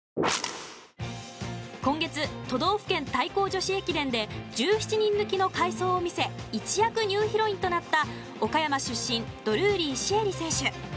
今月、都道府県対抗女子駅伝で１７人抜きの快走を見せ一躍ニューヒロインとなった岡山出身ドルーリー朱瑛里選手。